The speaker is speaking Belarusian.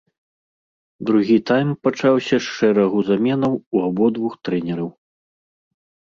Другі тайм пачаўся з шэрагу заменаў у абодвух трэнераў.